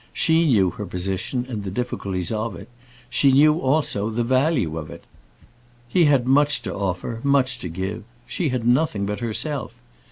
She knew her position, and the difficulties of it; she knew also the value of it. He had much to offer, much to give; she had nothing but herself.